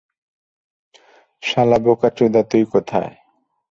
শালা বোকাচুদা তুই কোথায়?